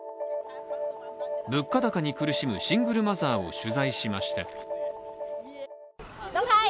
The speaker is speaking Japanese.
物価高に苦しむシングルマザーを取材しました。